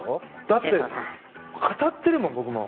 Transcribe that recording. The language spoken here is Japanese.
だって、カタってるもん僕も。